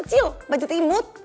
kecil baju timut